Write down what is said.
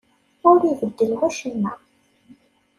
Ur ibeddel wacemma.